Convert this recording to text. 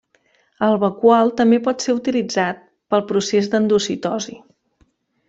El vacúol també pot ser utilitzat pel procés d'endocitosi.